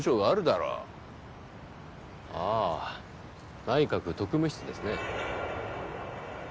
ああ内閣特務室ですね。